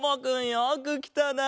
よくきたな。